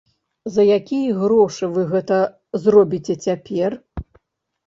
За якія грошы вы гэта зробіце цяпер?